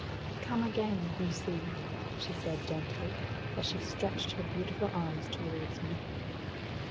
"Come again, you see!" she said gently, as she stretched her beautiful arms towards me.